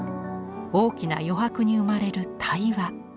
大きな余白に生まれる「対話」。